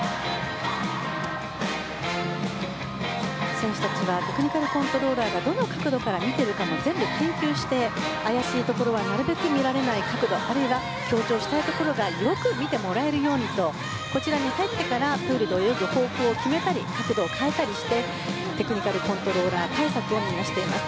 選手たちはテクニカルコントローラーがどの角度から見ているかも全部研究して怪しいところはなるべく見られない角度あるいは、強調したいところをよく見てもらえるようこちらに入ってからプールで泳ぐ方向を決めたり角度を変えたりしてテクニカルコントローラー対策をしています。